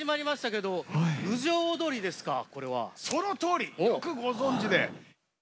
そのとおり！よくご存じで。